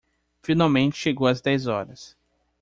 Finalmente chegou às dez horas